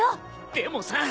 でもさ。